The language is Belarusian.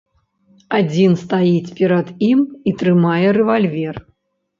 Адзін стаіць перад ім і трымае рэвальвер.